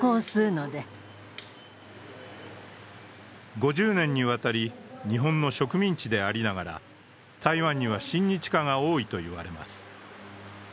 ５０年にわたり日本の植民地でありながら、台湾には親日家が多いと言われます。